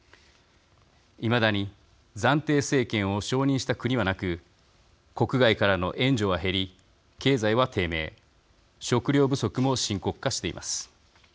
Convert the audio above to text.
いまだに暫定政権を承認した国はなく国外からの援助は減り経済は低迷、食料不足も深刻化しています。